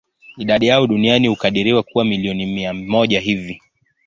Idadi yao duniani hukadiriwa kuwa milioni mia moja hivi.